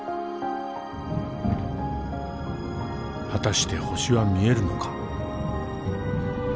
果たして星は見えるのか？